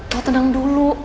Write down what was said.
lo tenang dulu